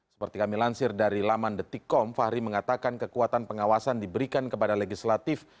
seperti kami lansir dari laman detikkom fahri mengatakan kekuatan pengawasan diberikan kepada legislatif